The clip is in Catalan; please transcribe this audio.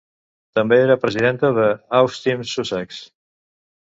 També era presidenta de Autism Sussex.